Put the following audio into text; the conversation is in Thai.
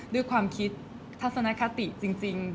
ด้วยความคิดทัศนคติจริง